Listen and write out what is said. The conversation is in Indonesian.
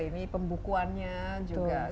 ini pembukuannya juga